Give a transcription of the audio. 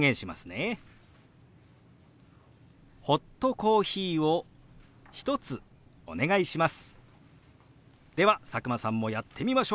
ホットコーヒーを１つお願いします。